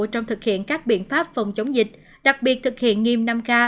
trong thực hiện các biện pháp phòng chống dịch đặc biệt thực hiện nghiêm năm k